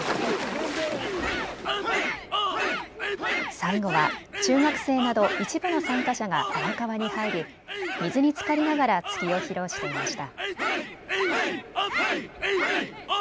最後は中学生など一部の参加者が荒川に入り水につかりながら突きを披露していました。